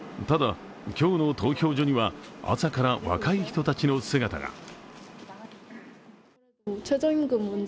ただ、今日の投票所には朝から若い人たちの姿が。